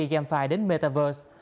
đề phai đến metaverse